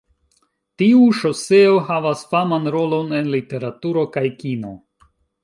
Tiu ŝoseo havas faman rolon en literaturo kaj kino.